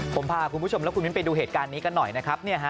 ผมพาคุณผู้ชมและคุณมิ้นไปดูเหตุการณ์นี้กันหน่อยนะครับ